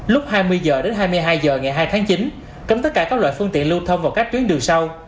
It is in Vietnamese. lúc hai mươi h đến hai mươi hai h ngày hai tháng chín cấm tất cả các loại phương tiện lưu thông vào các tuyến đường sau